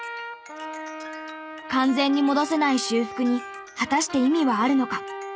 完全に戻せない修復に果たして意味はあるのか？